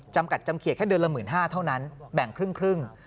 จำกัดจำเขียนแค่เดือนละหมื่นห้าเท่านั้นแบ่งครึ่ง